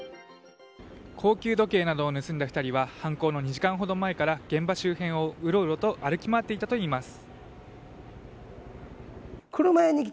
高級時計などを盗んだ２人は犯行の２時間ほど前から現場周辺をうろうろと歩き回っていたといいます。